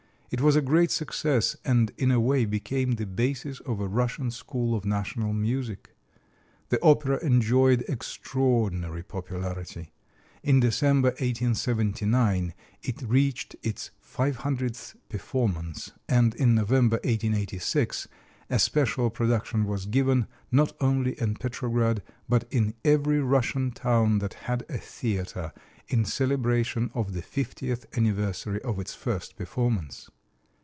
It was a great success, and in a way became the basis of a Russian school of national music. The opera enjoyed extraordinary popularity. In December, 1879, it reached its 500th performance, and in November, 1886, a special production was given, not only at Petrograd, but in every Russian town that had a theater, in celebration of the 50th anniversary of its first performance.